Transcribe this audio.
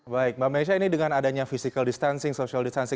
baik mbak mesha ini dengan adanya physical distancing social distancing